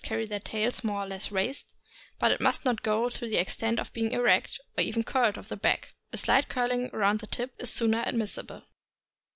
carry their tails more or less raised, but it must not go to the extent of being erect, or even curled over the back; a slight curling round of the tip is sooner admissible.